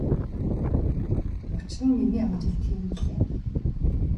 Учир нь миний ажил тийм билээ.